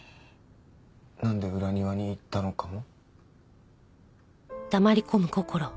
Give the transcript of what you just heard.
なんで裏庭に行ったのかも？